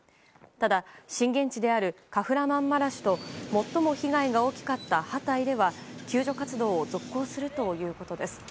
ただ、震源地であるカフラマンマラシュと最も被害が大きかったハタイでは救助活動を続行するということです。